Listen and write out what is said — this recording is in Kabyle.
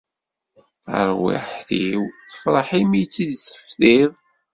Tarwiḥt-iw tefreḥ imi i tt-id-tefdiḍ.